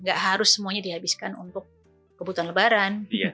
nggak harus semuanya dihabiskan untuk kebutuhan lebaran